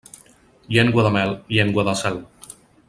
Llengua de mel, llengua del cel.